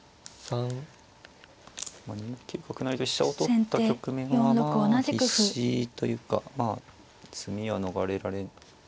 ２九角成と飛車を取った局面はまあ必至というかまあ詰みは逃れられ。